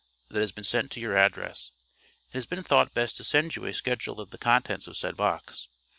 that has been sent to your address. It has been thought best to send you a schedule of the contents of said box.